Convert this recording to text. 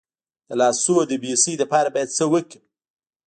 د لاسونو د بې حسی لپاره باید څه وکړم؟